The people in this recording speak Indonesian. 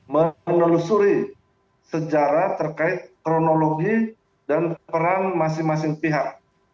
menelusuri sejarah terkait kronologi dan peran masing masing pihak